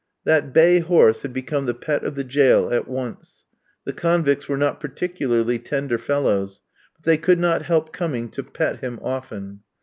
That bay horse had become the pet of the jail at once. The convicts were not particularly tender fellows; but they could not help coming to pet him often.